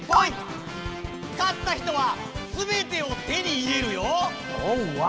勝った人は全てを手に入れるよ！